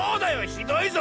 ひどいぞ！